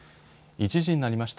１時になりました。